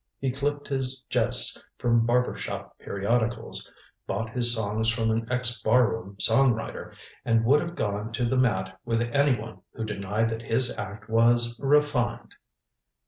He clipped his jests from barber shop periodicals, bought his songs from an ex barroom song writer, and would have gone to the mat with any one who denied that his act was "refined."